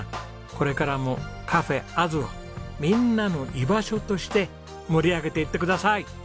これからもＣａｆａｓをみんなの居場所として盛り上げていってください。